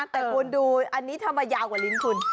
แต่คุณดูอันนี้ทำไมยาวกว่าลิ้นคุณ